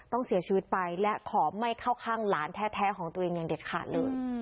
ต้องเสียชีวิตไปและขอไม่เข้าข้างหลานแท้ของตัวเองอย่างเด็ดขาดเลย